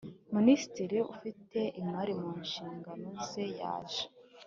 Minisitiri ufite imari mu nshingano ze yaje